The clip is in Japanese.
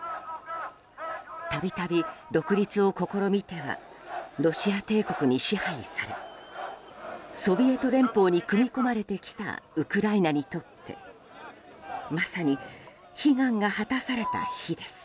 度々、独立を試みてはロシア帝国に支配されソビエト連邦に組み込まれてきたウクライナにとってまさに悲願が果たされた日です。